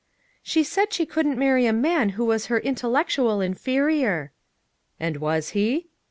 "She said she couldn't marry a man who was her intellectual inferior." "And was he?"